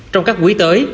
trong các quý tới